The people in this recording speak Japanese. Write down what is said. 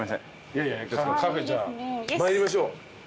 いやいやカフェじゃあ参りましょう。